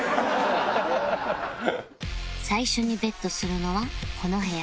最初に ＢＥＴ するのはこの部屋